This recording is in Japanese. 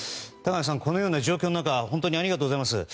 高垣さん、このような状況の中本当にありがとうございます。